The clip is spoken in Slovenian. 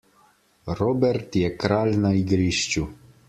Robert je kralj na igrišču.